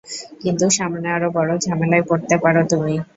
কিন্তু সামনে আরো বড় ঝামেলায় পড়তে পারো তুমি।